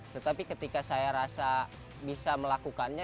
tetapi ketika saya rasa bisa melakukannya